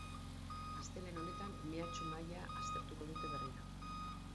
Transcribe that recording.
Astelehen honetan mehatxu-maila aztertuko dute berriro.